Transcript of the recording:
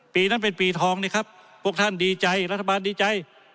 ปีนั้นเป็นปีทองนี่ครับพวกท่านดีใจรัฐบาลดีใจ